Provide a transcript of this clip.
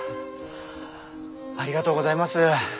ありがとうございます。